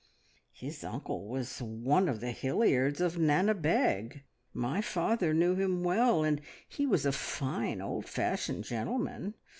"His uncle was one of the Hilliards of Nanabeg. My father knew him well, and he was a fine, old fashioned gentleman.